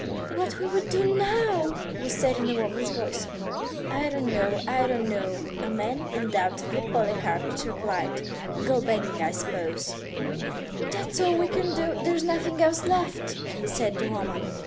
"What will we do now?" was said in a woman's voice. "I don't know, I don't know," a man, undoubtedly Polikarpych, replied. "Go begging, I suppose." "That's all we can do. There's nothing else left," said the woman.